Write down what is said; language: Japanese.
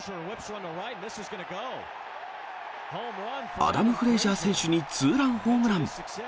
アダム・フレイジャー選手にツーランホームラン。